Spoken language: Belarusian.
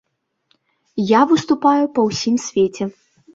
Я выступаю па ўсім свеце.